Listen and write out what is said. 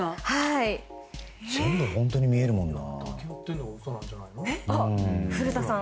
全部本当に見えるもんな。